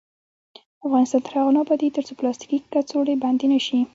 افغانستان تر هغو نه ابادیږي، ترڅو پلاستیکي کڅوړې بندې نشي.